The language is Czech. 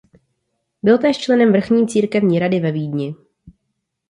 Byl též členem vrchní církevní rady ve Vídni.